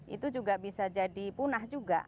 itu juga bisa jadi punah juga